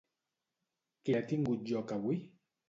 Què ha tingut lloc avui?